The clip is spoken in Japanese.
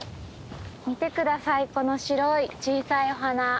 見て下さいこの白い小さいお花。